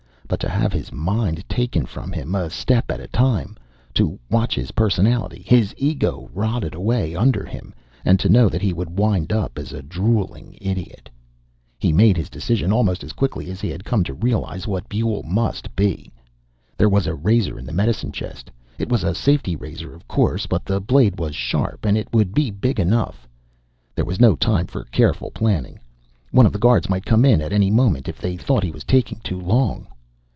But to have his mind taken from him, a step at a time to watch his personality, his ego, rotted away under him and to know that he would wind up as a drooling idiot.... He made his decision, almost as quickly as he had come to realize what Buehl must be. There was a razor in the medicine chest. It was a safety razor, of course, but the blade was sharp and it would be big enough. There was no time for careful planning. One of the guards might come in at any moment if they thought he was taking too long.